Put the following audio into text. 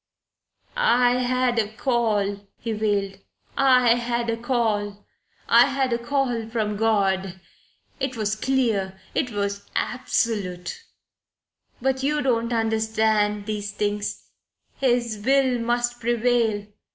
"I had a call," he wailed. "I had a call. I had a call from God. It was clear. It was absolute. But you don't understand these things. His will must prevail.